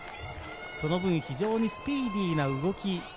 その分非常にスピーディーな動き。